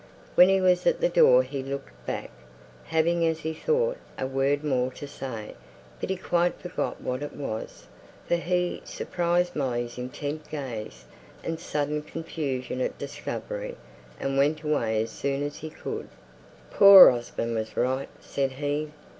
When he was at the door he looked back, having, as he thought, a word more to say; but he quite forgot what it was, for he surprised Molly's intent gaze, and sudden confusion at discovery, and went away as soon as he could. "Poor Osborne was right!" said he.